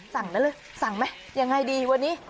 สั่งได้เลยสั่งไหมยังไงดีวันนี้